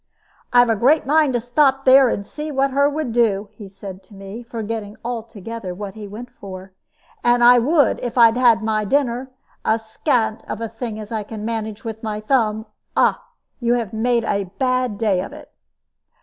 "I've a great mind to stop there, and see what her would do," he said to me, forgetting altogether what he went for. "And I would, if I had had my dinner. A scat of a thing as I can manage with my thumb! Ah, you have made a bad day of it."